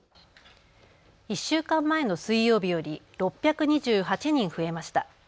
１週間前の水曜日より６２８人増えました。